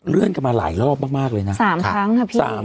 เลื่อนกันมาหลายรอบมากเลยนะ